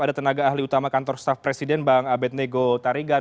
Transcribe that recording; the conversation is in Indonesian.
ada tenaga ahli utama kantor staff presiden bang abed nego tarigan